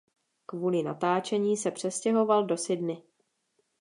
Kvůli natáčení se přestěhoval do Sydney.